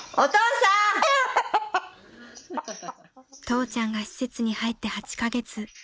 ［父ちゃんが施設に入って８カ月］